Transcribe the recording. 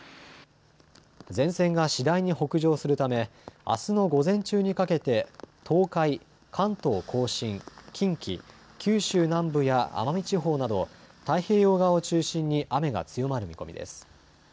前線が次第に北上するためあすの午前中にかけて東海、関東甲信、近畿、九州南部や奄美地方など太平洋側を中心に雨が強まる見込みです。